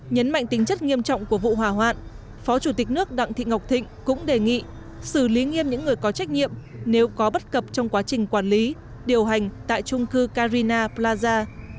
nhấn mạnh tính chất nghiêm trọng của vụ hỏa hoạn phó chủ tịch nước đặng thị ngọc thịnh cũng đề nghị xử lý nghiêm những người có trách nhiệm nếu có bất cập trong quá trình quản lý điều hành tại trung cư carina plaza